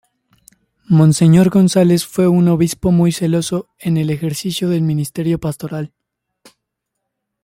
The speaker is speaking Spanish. Monseñor González fue un obispo muy celoso en el ejercicio del ministerio pastoral.